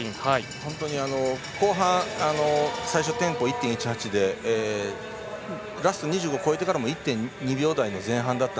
本当に最初、テンポが１．１８でラスト２０を超えてからも１．２秒台の前半でした。